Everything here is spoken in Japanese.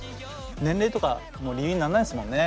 年齢とかもう理由になんないですもんね。